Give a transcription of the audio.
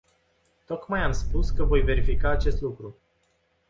Tocmai am spus că vom verifica acest lucru.